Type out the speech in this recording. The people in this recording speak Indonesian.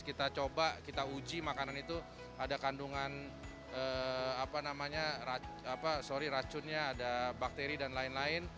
kita coba kita uji makanan itu ada kandungan sorry racunnya ada bakteri dan lain lain